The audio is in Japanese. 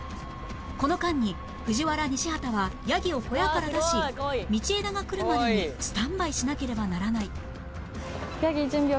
この間に藤原・西畑はヤギを小屋から出し道枝が来るまでにスタンバイしなければならない